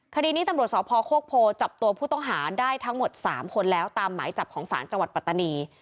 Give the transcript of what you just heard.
คดีนี้ตำรวจสพโคกโพจับตัวผู้ต้องหาได้ทั้งหมด๓คนแล้วตามหมายจับของศาลจังหวัดปัตตานี